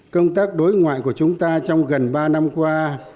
công tác đối ngoại của chúng ta trong gần ba năm qua